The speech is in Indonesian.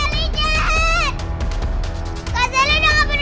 kak sally sudah tidak beri lagi nama poppy